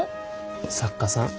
作家さん。